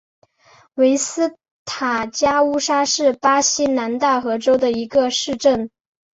维斯塔加乌沙是巴西南大河州的一个市镇。